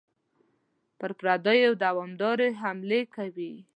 پر پردیو دوامدارې حملې کوي.